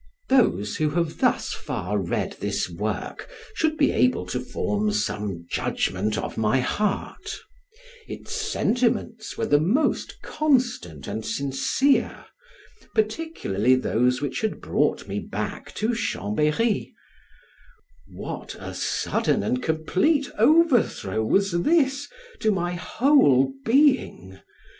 Those who have thus far read this work should be able to form some judgment of my heart; its sentiments were the most constant and sincere, particularly those which had brought me back to Chambery; what a sudden and complete overthrow was this to my whole being!